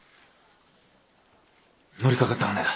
乗りかかった船だ。